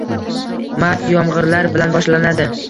Mart yomgʻirlar bilan boshlanadi